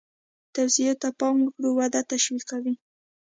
توصیو ته پام وکړو ودې تشویقوي.